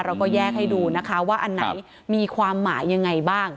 เราก็แยกให้ดูนะคะว่าอันไหนมีความหมายยังไงบ้าง